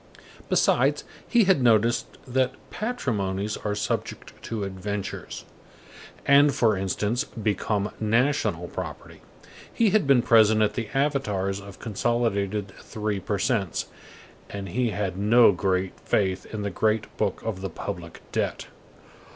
Besides, he had noticed that patrimonies are subject to adventures, and, for instance, become national property; he had been present at the avatars of consolidated three per cents, and he had no great faith in the Great Book of the Public Debt.